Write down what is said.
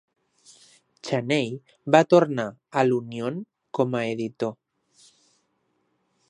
Cheney va tornar a l'"Union" com a editor.